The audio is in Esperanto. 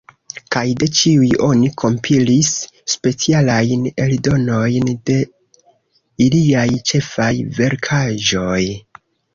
Kaj de ĉiuj oni kompilis specialajn eldonojn de iliaj ĉefaj verkaĵoj.